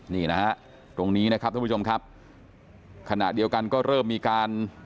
นี่นะฮะตรงนี้นะครับท่านผู้ชมครับขณะเดียวกันก็เริ่มมีการ